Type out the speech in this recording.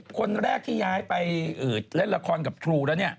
คนแรกที่ย้ายไปเล่นล่ะครมกับครูน่ะเนี่ย